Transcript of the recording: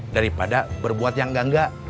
daripada berbuat yang enggak enggak